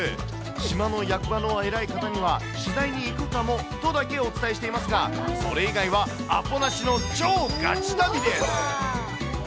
島の役場の偉い方には取材に行くかもとだけお伝えしていますが、それ以外はアポなしの超ガチ旅です。